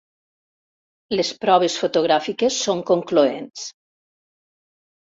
Les proves fotogràfiques són concloents.